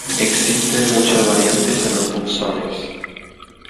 Existen muchas variantes en los punzones.